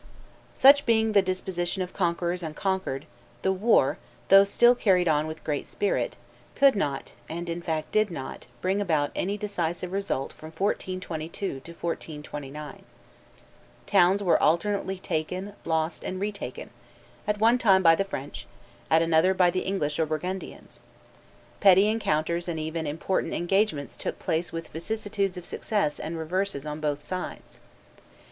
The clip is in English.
Such being the disposition of conquerors and conquered, the war, though still carried on with great spirit, could not, and in fact did not, bring about any decisive result from 1422 to 1429. Towns were alternately taken, lost, and retaken, at one time by the French, at another by the English or Burgundians; petty encounters and even important engagements took place with vicissitudes of success and reverses on both sides.